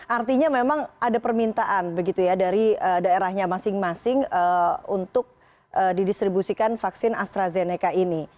artinya memang ada permintaan begitu ya dari daerahnya masing masing untuk didistribusikan vaksin astrazeneca ini